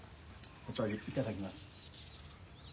お茶いただきます。